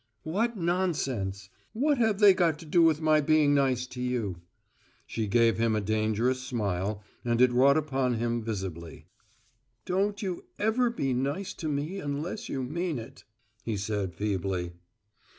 "What nonsense! What have they got to do with my being nice to you?" She gave him a dangerous smile, and it wrought upon him visibly. "Don't you ever be nice to me unless you mean it," he said feebly.